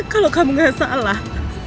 kalau kamu gak salah